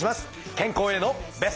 健康へのベスト。